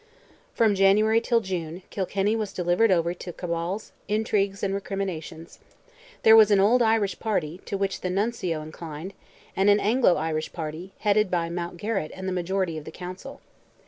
From January till June, Kilkenny was delivered over to cabals, intrigues, and recriminations. There was an "old Irish party," to which the Nuncio inclined, and an "Anglo Irish party," headed by Mountgarrett and the majority of the Council.